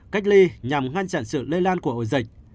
cách ly nhằm ngăn chặn sự lây lan của ổ dịch